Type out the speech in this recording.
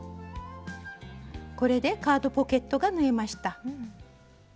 これでカードポケットが縫えました。